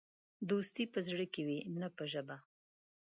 دوستي په زړه کې وي، نه په ژبه.